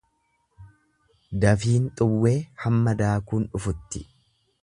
Dafiin xuwwee hamma daakuun dhufutti.